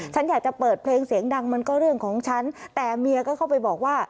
ฉันอยากจะเปิดเพลงเสียงดังมันก็เรื่องของฉันแต่เมียก็เข้าไปบอกว่า